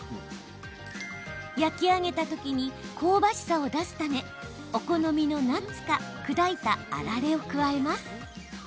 焼き上げたときに香ばしさを出すためお好みのナッツか砕いたあられを加えます。